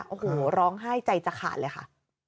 โอ้โหร้องไห้ใจจะขาดเลยค่ะ